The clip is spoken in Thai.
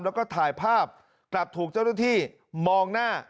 แล้วก็ถ่ายภาพกลับถูกเจ้าหน้าที่มองหน้า